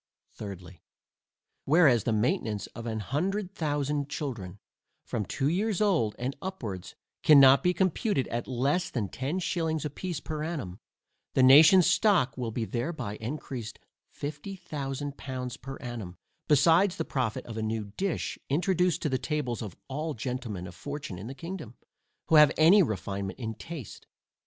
Thirdly, Whereas the maintainance of a hundred thousand children, from two years old, and upwards, cannot be computed at less than ten shillings a piece per annum, the nation's stock will be thereby encreased fifty thousand pounds per annum, besides the profit of a new dish, introduced to the tables of all gentlemen of fortune in the kingdom, who have any refinement in taste.